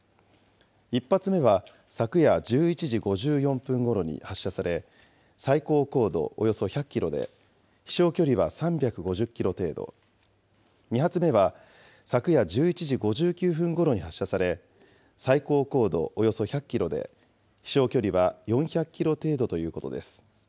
１発目は昨夜１１時５４分ごろに発射され、最高高度およそ１００キロで、飛しょう距離は３５０キロ程度、２発目は昨夜１１時５９分ごろに発射され、最高高度およそ１００キロで、飛しょう距離は４００キロ程度ということです。